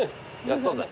やったぜ。